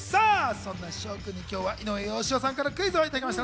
そんな紫耀君に井上芳雄さんからクイズをいただきました。